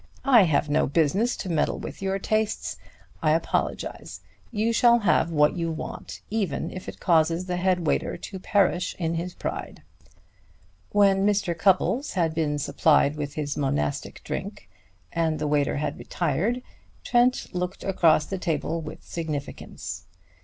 "I have no business to meddle with your tastes. I apologize. You shall have what you want, even if it causes the head waiter to perish in his pride." When Mr. Cupples had been supplied with his monastic drink, and the waiter had retired, Trent looked across the table with significance.